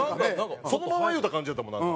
そのまま言うた感じやったもんなんか。